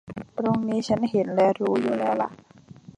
ตรงนี้ฉันเห็นและรู้อยู่แล้วหละ